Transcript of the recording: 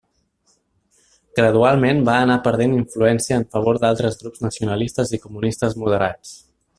Gradualment va anar perdent influència en favor d'altres grups nacionalistes i comunistes moderats.